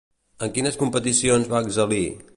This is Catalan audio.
En quines competicions va excel·lir?